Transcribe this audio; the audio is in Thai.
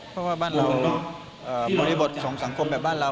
เพราะว่าบ้านเราบริบทของสังคมแบบบ้านเรา